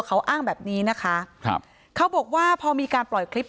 เขาอ้างแบบนี้นะคะ